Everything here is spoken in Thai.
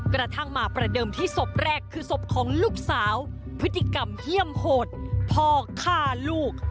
กระทั่งมาประเดิมที่ศพแรกคือศพของลูกสาวพฤติกรรมเยี่ยมโหดพ่อฆ่าลูก